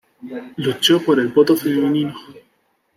Luchó por el voto femenino.